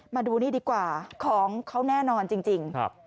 มาดูนี่ดีกว่าของเขาแน่นอนจริง